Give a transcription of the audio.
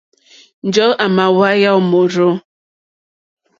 Njɔ̀ɔ́ àmà hwánjá môrzô.